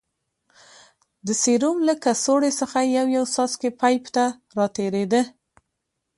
د سيروم له کڅوړې څخه يو يو څاڅکى پيپ ته راتېرېده.